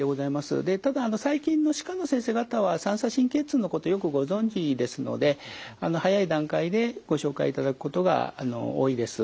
でただ最近の歯科の先生方は三叉神経痛のことをよくご存じですので早い段階でご紹介いただくことが多いです。